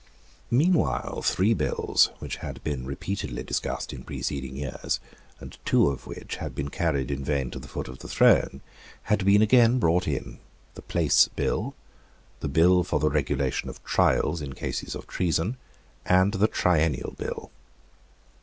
Meanwhile three bills, which had been repeatedly discussed in preceding years, and two of which had been carried in vain to the foot of the throne, had been again brought in; the Place Bill, the Bill for the Regulation of Trials in cases of Treason, and the Triennial Bill.